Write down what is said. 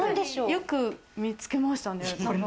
よく見つけましたね。